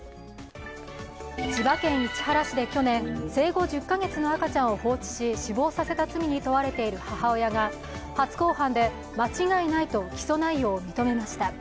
千葉県市原市で去年生後１０カ月の赤ちゃんを放置し死亡させた罪に問われている母親が初公判で間違いないと起訴内容を認めました。